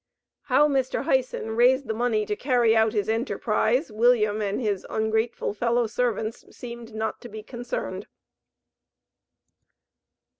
How Mr. Hyson raised the money to carry out his enterprise, William and his "ungrateful" fellow servants seemed not to be concerned.